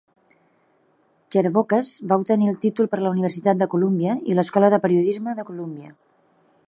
Chervokas va obtenir el títol per la Universitat de Columbia i l'Escola de periodisme de Columbia.